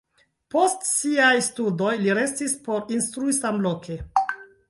Post siaj studoj li restis por instrui samloke.